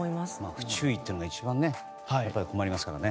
不注意というのが一番困りますからね。